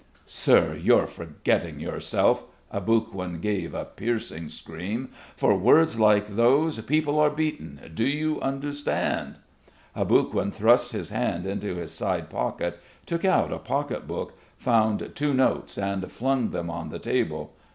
"Sir, you're forgetting yourself," Aboguin gave a piercing scream. "For words like those, people are beaten. Do you understand?" Aboguin thrust his hand into his side pocket, took out a pocket book, found two notes and flung them on the table.